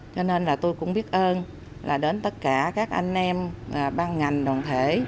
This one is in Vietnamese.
cho nên là tôi cũng biết ơn là đến tất cả các anh em ban ngành đoàn thể